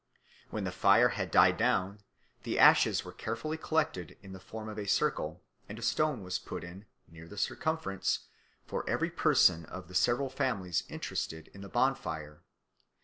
When the fire had died down, the ashes were carefully collected in the form of a circle, and a stone was put in, near the circumference, for every person of the several families interested in the bonfire.